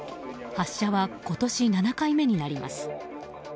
発射は今年７回目になります。